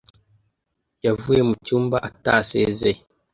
Yavuye mucyumba atasezeye.